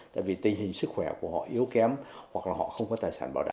tại vì tình hình sức khỏe của họ yếu kém hoặc là họ không có tài sản bảo đảm